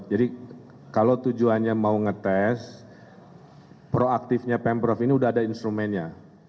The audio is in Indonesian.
jadi kalau tujuannya mau ngetes proaktifnya pemprov ini sudah ada instrumennya